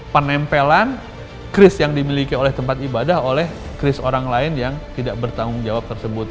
penempelan cris yang dimiliki oleh tempat ibadah oleh kris orang lain yang tidak bertanggung jawab tersebut